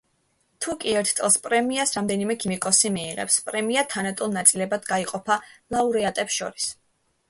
თუკი ერთ წელს პრემიას რამდენიმე ქიმიკოსი მიიღებს, პრემია თანატოლ ნაწილებად გაიყოფა ლაურეატებს შორის.